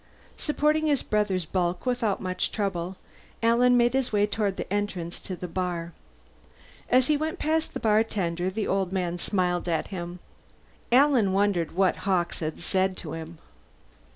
Supporting his brother's bulk without much trouble, Alan made his way toward the entrance to the bar. As he went past the bartender, the old man smiled at him. Alan wondered what Hawkes had said to him.